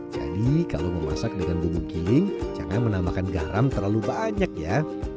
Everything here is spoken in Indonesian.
jadi kalau memasak dengan bumbu giling jangan menambahkan garam terlalu banyak ya